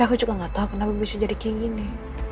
aku juga gak tahu kenapa bisa jadi kayak gini